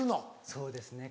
そうですね